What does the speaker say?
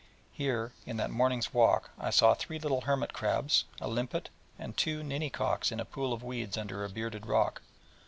Here, in that morning's walk, I saw three little hermit crabs, a limpet, and two ninnycocks in a pool of weeds under a bearded rock.